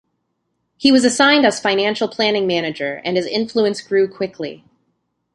He was assigned as financial planning manager, and his influence grew quickly.